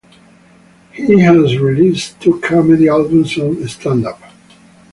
He has released two comedy albums on Stand Up!